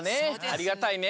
ありがたいね。